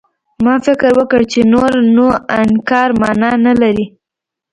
ما فکر وکړ چې نور نو انکار مانا نه لري.